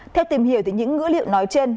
theo tìm hiểu những ngữ liệu nói trên